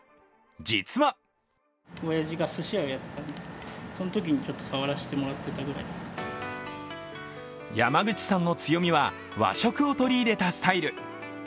実は山口さんの強みは和食を取り入れたスタイル。